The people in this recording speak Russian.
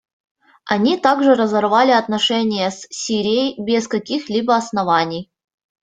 Они также разорвали отношения с Сирией без каких-либо оснований.